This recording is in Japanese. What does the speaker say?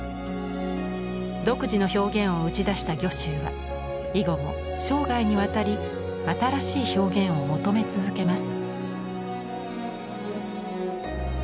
独自の表現を打ち出した御舟は以後も生涯にわたり新しい表現を求め続けます。